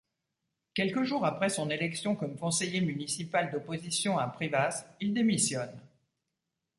Quelques jours après son élection comme conseiller municipal d'opposition à Privas, il démissionne.